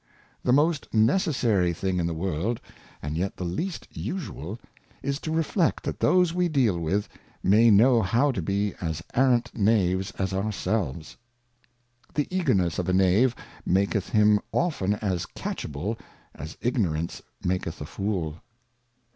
The most necessary thing in the World, and yet the least usual, is to reflect that those we deal with, may know how to be as arrant Knaves as ourselves. The Eagerness of a Knave maketh him often as catchable, as Ignorance maketh a Fool.